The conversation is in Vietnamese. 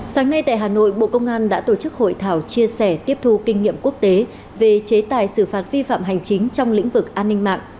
sáng nay tại hà nội bộ công an đã tổ chức hội thảo chia sẻ tiếp thu kinh nghiệm quốc tế về chế tài xử phạt vi phạm hành chính trong lĩnh vực an ninh mạng